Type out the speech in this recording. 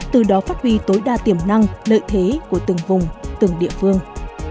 từ đó phát huy tối đa tiềm năng lợi thế của từng vùng từng địa phương